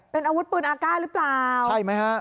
เป็นอาวุธปืนอากาศหรือเปล่าใช่ไหมฮะ